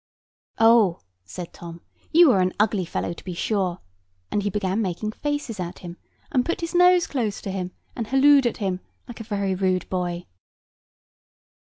"Oh," said Tom, "you are an ugly fellow to be sure!" and he began making faces at him; and put his nose close to him, and halloed at him, like a very rude boy.